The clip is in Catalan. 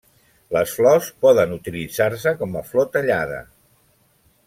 Les flors poden utilitzar-se com a flor tallada.